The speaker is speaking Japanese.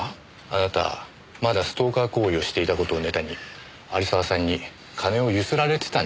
あなたまだストーカー行為をしていた事をネタに有沢さんに金をゆすられてたんじゃないですか？